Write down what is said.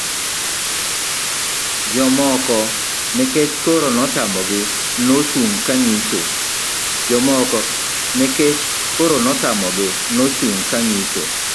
jomoko nikech koro notamogi, nochung' ka ng'icho